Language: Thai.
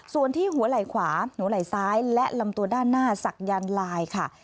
ส่วนที่หัวไหล่ขวาหนูไหล่ซ้ายและลำตัวด้านหน้าศักยันต์ลายค่ะ